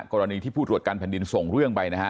กรณีที่ผู้ตรวจการแผ่นดินส่งเรื่องไปนะฮะ